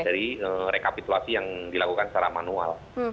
jadi rekapitulasi yang dilakukan secara manual